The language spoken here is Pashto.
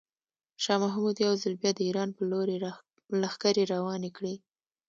شاه محمود یو ځل بیا د ایران په لوري لښکرې روانې کړې.